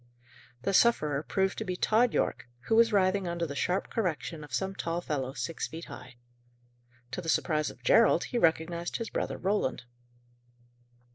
The sufferer proved to be Tod Yorke, who was writhing under the sharp correction of some tall fellow, six feet high. To the surprise of Gerald, he recognized his brother Roland.